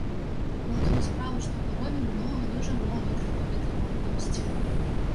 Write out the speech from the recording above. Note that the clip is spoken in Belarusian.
На тую справу, што мы робім, многа, дужа многа трэба гэтае маладосці.